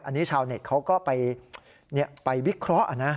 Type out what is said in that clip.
อันนี้ชาวเน็ตเขาก็ไปวิเคราะห์นะ